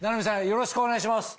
よろしくお願いします。